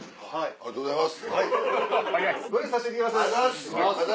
「ありがとうございます」